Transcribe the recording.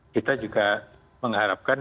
kita juga mengharapkan